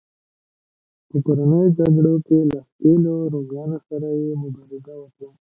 په کورنیو جګړو کې له ښکېلو رومیانو سره یې مبارزه وکړه